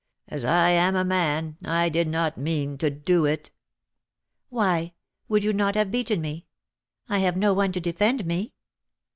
As I am a man, I did not mean to do it." "Why, would you not have beaten me? I have no one to defend me."